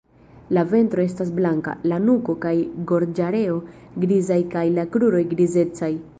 La ventro estas blanka, la nuko kaj gorĝareo grizaj kaj la kruroj grizecaj.